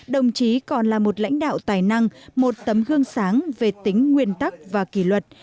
đồng chí còn là một lãnh đạo tài năng một tấm gương sáng về tính nguyên tắc và kỷ luật